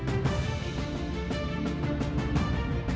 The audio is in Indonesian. bintang yang bersinar